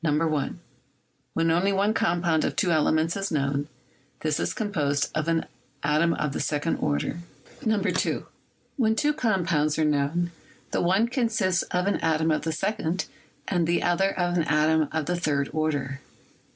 When only one compound of two elements is known, this is composed of an atom of the second order. 2. When two compounds are known, the one consists of an atom of the second and the other of an atom of the third order.